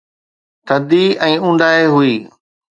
ٿڌي ۽ اونداهي هئي.